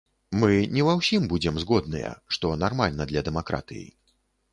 Мы не ва ўсім будзем згодныя, што нармальна для дэмакратыі.